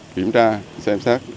kiểm tra xem xét